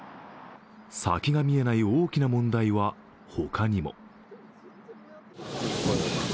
先が見えない大きな問題はほかにも。